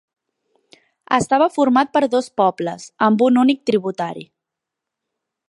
Estava format per dos pobles, amb un únic tributari.